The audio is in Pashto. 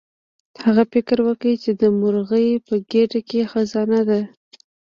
هغه فکر وکړ چې د مرغۍ په ګیډه کې خزانه ده.